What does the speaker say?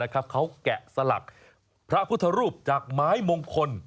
เขาแกะสลักพระพุทธรูปจากไม้มงคล